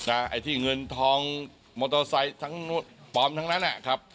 ไอ้ที่เงินทองมอเตอร์ไซค์ทั้งปลอมทั้งนั้นอ่ะครับ